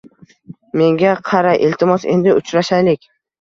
Menga qara, iltimos, endi uchrashmaylik